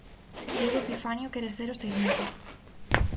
Diego Epifanio quere ser o seguinte.